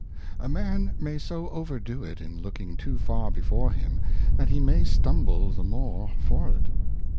A Man may so overdo it in looking too far before him, that he may stumble the more for it.